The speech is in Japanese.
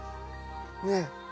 ねえ。